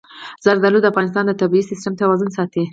زردالو د افغانستان د طبعي سیسټم توازن ساتي.